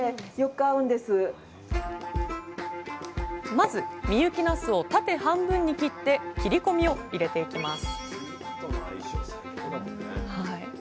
まず深雪なすを縦半分に切って切り込みを入れていきます